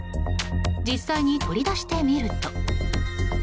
実際に取り出してみると。